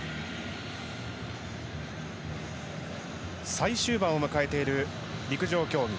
最終盤を迎えている陸上競技。